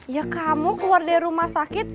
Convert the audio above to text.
ya kamu keluar dari rumah sakit